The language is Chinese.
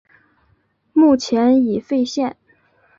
目前已废线。